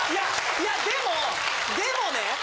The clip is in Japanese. いやでもでもね！